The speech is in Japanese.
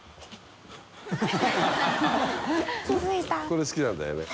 これ好きなんだよね。